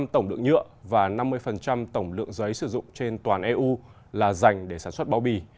tổng lượng nhựa và năm mươi tổng lượng giấy sử dụng trên toàn eu là dành để sản xuất bao bì